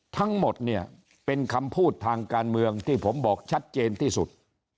ทั้งหมดเนี่ยเป็นคำพูดทางการเมืองที่ผมบอกชัดเจนที่สุด